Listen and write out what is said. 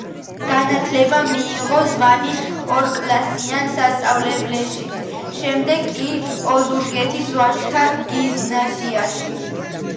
განათლება მიიღო ზვანის ორკლასიან სასწავლებელში, შემდეგ კი ოზურგეთის ვაჟთა გიმნაზიაში.